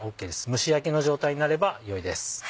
蒸し焼きの状態になればよいです。